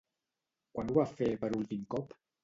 Quan ho va fer per últim cop?